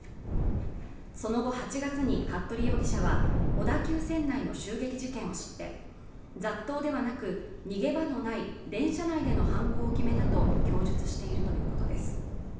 その後８月に服部容疑者は小田急線内の襲撃事件を知って雑踏ではなく逃げ場のない電車内での犯行を決めたと供述しているということです